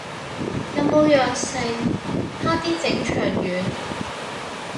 有冇食藥，啪啲整腸丸